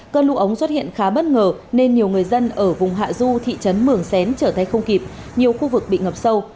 cơn lũ ống xuất hiện khá bất ngờ nên nhiều người dân ở vùng hạ du thị trấn mường xén trở tay không kịp nhiều khu vực bị ngập sâu